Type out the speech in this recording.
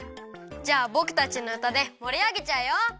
じゃあぼくたちのうたでもりあげちゃうよ。